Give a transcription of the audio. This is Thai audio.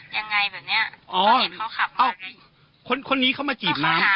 ยังไงแบบเนี้ยก็เห็นเขาขับมาคนนี้เขามาจีบน้ำ